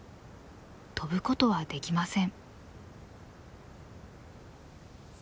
飛ぶことはできません。